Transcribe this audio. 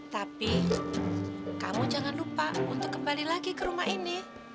tapi kamu jangan lupa untuk kembali lagi ke rumah ini